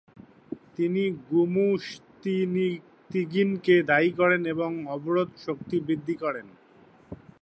তিনি গুমুশতিগিনকে দায়ী করেন এবং অবরোধে শক্তিবৃদ্ধি করেন।